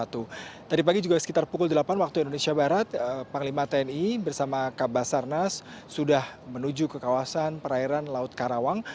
tadi pagi juga sekitar pukul delapan waktu indonesia barat panglima tni bersama kabasarnas sudah menuju ke kawasan perairan laut karawang